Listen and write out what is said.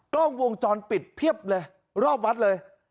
กล้องวงจรปิดเพียบเลยรอบวัดเลย